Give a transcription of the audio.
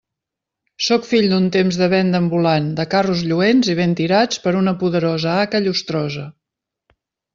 Sóc fill d'un temps de venda ambulant, de carros lluents i ben tirats per una poderosa haca llustrosa.